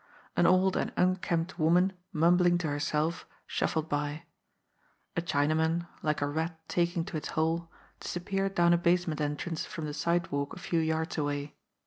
An old and unkempt woman, mumbling to herself, shuf fled by. A Chinaman, like a rat taking to its hole, disap peared down a basement entrance from the sidewalk a few yards away.